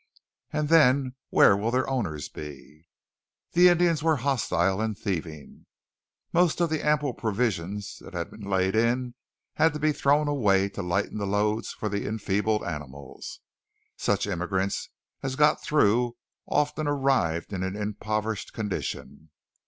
"And then where will their owners be?" The Indians were hostile and thieving. Most of the ample provision that had been laid in had to be thrown away to lighten the loads for the enfeebled animals. Such immigrants as got through often arrived in an impoverished condition.